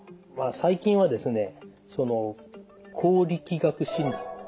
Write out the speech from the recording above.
最近はですね光力学診断